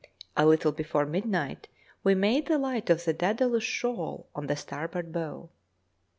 A little before midnight we made the light on the Dædalus shoal on the starboard bow.